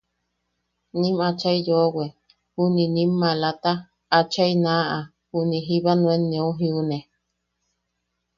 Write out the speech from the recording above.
Nim achai yoʼowe, juniʼi nim maalata, achai naaʼa juniʼi jiba nuen jiune.